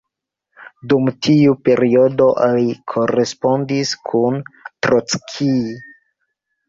Dum tiu periodo li korespondis kun Trockij.